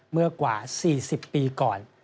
เมื่อกว่า๔๐ปีก่อน